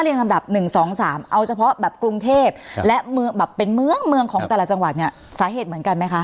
และแบบเป็นเมืองของแต่ละจังหวัดเนี่ยสาเหตุเหมือนกันไหมคะ